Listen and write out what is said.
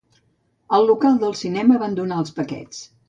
Al local del cinema van donant els paquets.